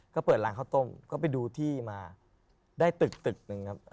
ก็เปิดร้านข้าวต้มก็ไปดูที่มาได้ตึกตึกหนึ่งครับ